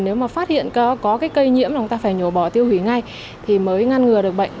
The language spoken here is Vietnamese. nếu mà phát hiện có cái cây nhiễm mà chúng ta phải nhổ bỏ tiêu hủy ngay thì mới ngăn ngừa được bệnh